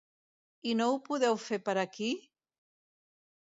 I no ho podeu fer per aquí?